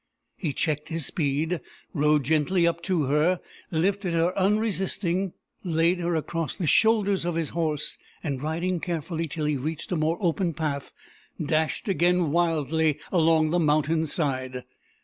He checked his speed, rode gently up to her, lifted her unresisting, laid her across the shoulders of his horse, and, riding carefully till he reached a more open path, dashed again wildly along the mountain side.